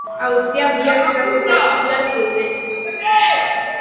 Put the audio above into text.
Auzian bi akusazio partikular zeuden.